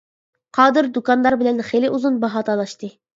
قادىر دۇكاندار بىلەن خېلى ئۇزۇن باھا تالاشتى.